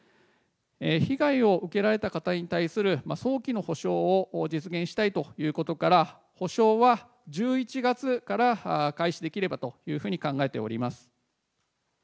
被害を受けられた方に対する早期の補償を実現したいということから、補償は１１月から開始できればというふうに考えております。